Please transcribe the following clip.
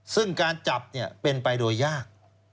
ซึ่งการจับเป็นไปโดยยาก